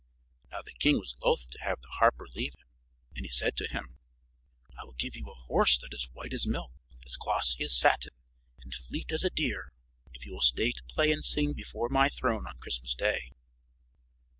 Now the king was loath to have the harper leave him, and he said to him: "I will give you a horse that is white as milk, as glossy as satin, and fleet as a deer, if you will stay to play and sing before my throne on Christmas day."